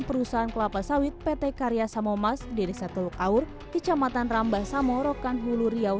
perusahaan kelapa sawit pt karya samomas di desa teluk aur kecamatan rambah samo rokan hulu riau